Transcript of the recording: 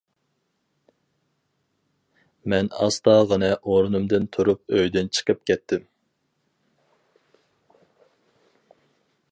مەن ئاستاغىنە ئورنۇمدىن تۇرۇپ ئۆيدىن چىقىپ كەتتىم.